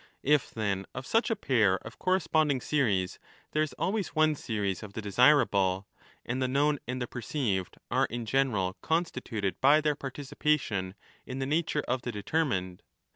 If, then, of such a pair of corresponding 1245* series ^ there is always one series of the desirable, and the known and the perceived are in general constituted by their participation in the nature of the determined,^